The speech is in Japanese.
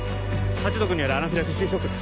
ハチ毒によるアナフィラキシーショックです